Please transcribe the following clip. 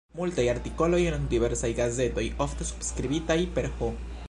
Multaj artikoloj en diversaj gazetoj, ofte subskribitaj per "H.